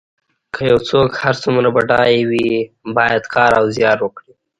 که یو څوک هر څومره بډای وي باید کار او زیار وکړي.